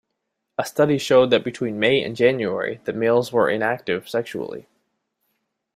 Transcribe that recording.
A study showed that between May and January, the males were inactive sexually.